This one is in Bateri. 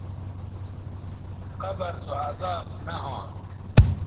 قبر سو عذاب نہ ھواں